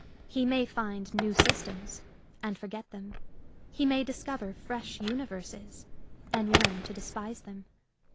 He may find new systems, and forget them ; he may discover fresh uni verses, and learn to despise them.